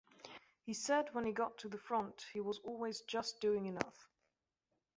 He said when he got to the front he was always just doing enough.